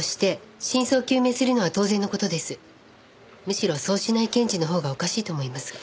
むしろそうしない検事のほうがおかしいと思いますが。